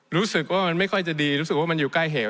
รู้สึกว่ามันไม่ค่อยจะดีรู้สึกว่ามันอยู่ใกล้เหว